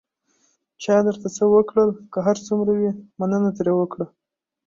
چا درته څه وکړل، که هر څومره وي، مننه ترې وکړه.